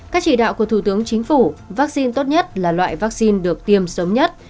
các chỉ đạo của thủ tướng chính phủ vaccine tốt nhất là loại vaccine được tiêm sớm nhất